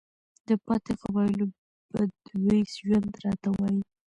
د پاتې قبايلو بدوى ژوند راته وايي،